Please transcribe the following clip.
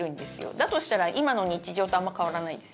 だとしたら今の日常とあんまり変わらないです。